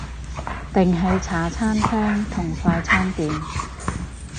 定係茶餐廳同快餐店？